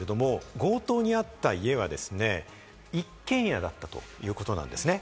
強盗に遭った家は１軒家だったということなんですね。